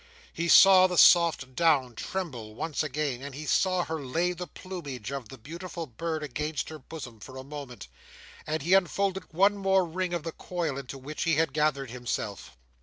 He saw the soft down tremble once again, and he saw her lay the plumage of the beautiful bird against her bosom for a moment; and he unfolded one more ring of the coil into which he had gathered himself.